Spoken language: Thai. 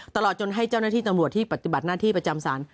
ตลอดจนให้เจ้าหน้าที่ตำรวจที่ปฏิบัติหน้าที่ประจำศาล